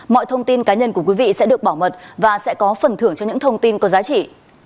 mọi thông tin cá nhân của quý vị sẽ được bảo mật và sẽ có phần thưởng cho những thông tin có giá trị